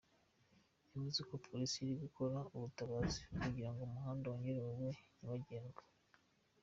Yavuze ko polisi iri gukora ubutabazi kugira ngo umuhanda wongere ube nyabagendwa.